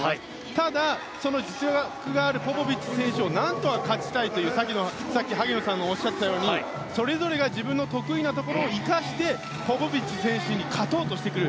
ただ実力があるポポビッチ選手に何とか勝ちたいというさっき萩野さんがおっしゃっていたようにそれぞれが自分の得意なところを生かしてポポビッチ選手に勝とうとしてくる。